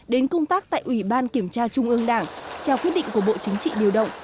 đến công tác tại ủy ban kiểm tra trung ương đảng trao quyết định của bộ chính trị điều động